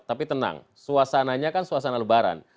tapi tenang suasananya kan suasana lebaran